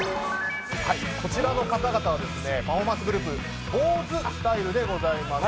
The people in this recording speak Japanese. こちらの方々はパフォーマンスグループＢＯＺＥＳＴＹＬＥでございます。